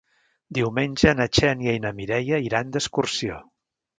Diumenge na Xènia i na Mireia iran d'excursió.